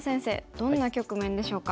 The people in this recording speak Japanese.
どんな局面でしょうか。